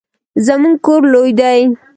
زمونږ کور لوی دی